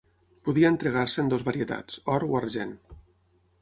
Podia entregar-se en dues varietats, or o argent.